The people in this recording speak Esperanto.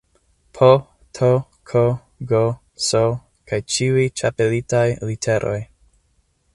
P, T, K, G, S kaj ĉiuj ĉapelitaj literoj